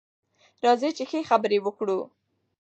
راځئ چې ښه خبرې وکړو.